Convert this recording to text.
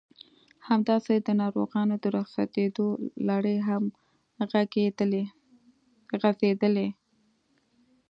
همداسې د ناروغانو د رخصتېدو لړۍ هم غزېدله.